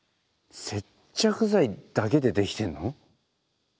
接着剤だけで出来てんの？